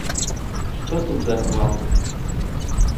Што тут за гвалт?